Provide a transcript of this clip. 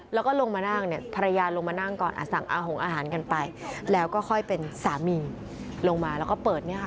แล้วก็ลงมานั่งเนี่ยภรรยาลงมานั่งก่อนสั่งอาหงอาหารกันไปแล้วก็ค่อยเป็นสามีลงมาแล้วก็เปิดเนี่ยค่ะ